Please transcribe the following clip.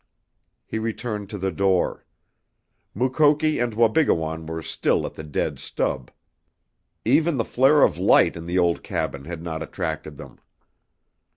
He returned to the door. Mukoki and Wabigoon were still at the dead stub. Even the flare of light in the old cabin had not attracted them.